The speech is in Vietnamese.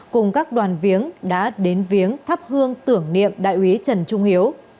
cùng các đoàn viếng đã đến viếng thắp hương tưởng niệm đại úy trần trung hiếu